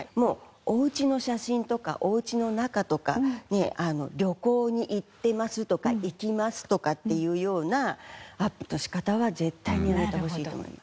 お家の写真とかお家の中とかね「旅行に行ってます」とか「行きます」とかっていうようなアップの仕方は絶対にやめてほしいと思います。